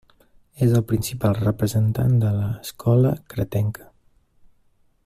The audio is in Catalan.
És el principal representant de l'Escola cretenca.